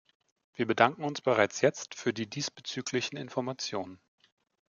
Wir bedanken uns bereits jetzt für die diesbezüglichen Informationen.